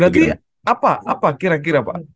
jadi apa kira kira pak